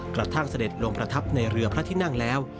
กระทั่งเสด็จลงประทับในเรือพระทินั่งแล้ว